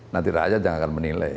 nanti raja jangan akan menilai